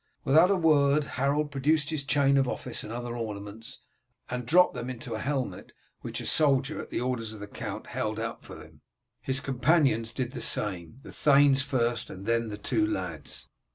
Without a word Harold produced his chain of office and other ornaments, and dropped them into a helmet which a soldier at the orders of the count held out for them. His companions did the same, the thanes first and then the two lads.